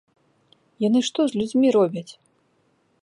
Яны што з людзьмі робяць?